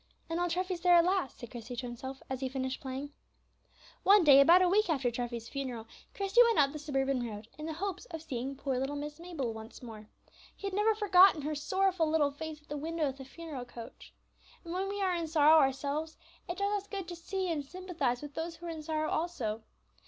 "And old Treffy's there at last," said Christie to himself as he finished playing. One day, about a week after Treffy's funeral, Christie went up the suburban road, in the hopes of seeing poor little Miss Mabel once more. He had never forgotten her sorrowful little face at the window of the funeral coach. And when we are in sorrow ourselves, it does us good to see and sympathize with those who are in sorrow also.